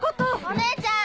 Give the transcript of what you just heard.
お姉ちゃん！